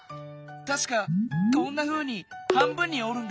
たしかこんなふうに半分におるんだよね。